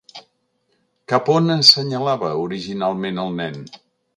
Cap a on assenyalava originalment el nen?